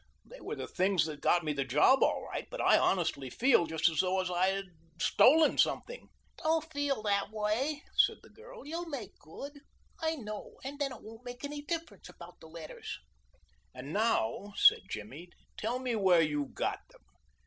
They were the things that got me the job all right, but I honestly feel just as though I had stolen something." "Don't feel that way," said the girl. "You'll make good, I know, and then it won't make any difference about the letters." "And now," said Jimmy, "tell me where you got them.